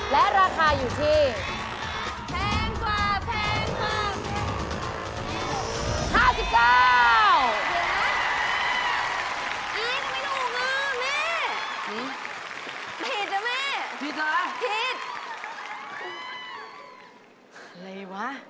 และราคาอยู่ที่